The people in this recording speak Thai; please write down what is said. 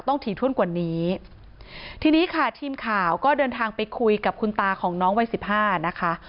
ถี่ถ้วนกว่านี้ทีนี้ค่ะทีมข่าวก็เดินทางไปคุยกับคุณตาของน้องวัยสิบห้านะคะ